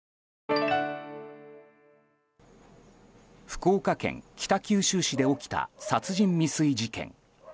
福岡県北九州市で起きた殺人未遂事件。